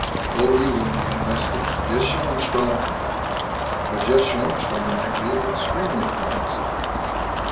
"Oh, you wouldn't be interested. Just Schoenstrom!" "But just Schoenstrom might be extremely interesting."